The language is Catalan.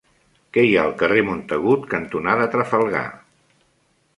Què hi ha al carrer Montagut cantonada Trafalgar?